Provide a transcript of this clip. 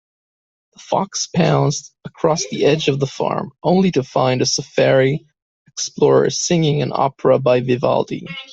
The fox pounced across the edge of the farm, only to find a safari explorer singing an opera by Vivaldi.